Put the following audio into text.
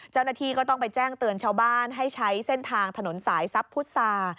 เจ้าหน้าที่ก็ต้องไปแจ้งเตือนชาวบ้านให้ใช้เส้นทางถนนสายทรัพย์พุษา